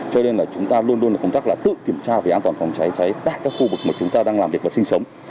cho nên là chúng ta luôn luôn là công tác là tự kiểm tra về an toàn phòng cháy cháy tại các khu vực mà chúng ta đang làm việc và sinh sống